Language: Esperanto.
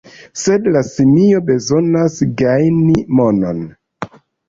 Sed la simio bezonas gajni monon.